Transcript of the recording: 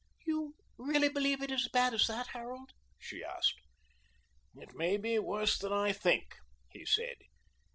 "You really believe it is as bad as that, Harold?" she asked. "It may be worse than I think," he said.